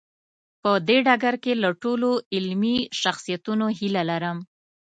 په دې ډګر کې له ټولو علمي شخصیتونو هیله لرم.